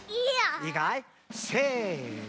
いいかい？せの。